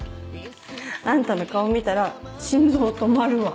「あんたの顔見たら心臓止まるわ」